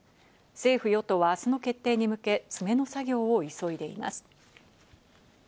政府・与党は明日の決定に向け、詰めの作業を急いでいます。